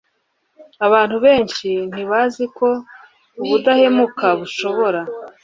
Abantu benshi ntibazi ko ubudahemuka bushobora